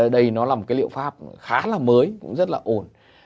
đây nó là một cái liệu pháp khá là mới cũng rất là ổn